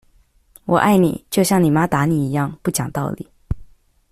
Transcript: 我愛你，就像你媽打你一樣，不講道理